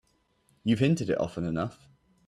You've hinted it often enough.